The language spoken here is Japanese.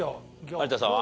有田さんは？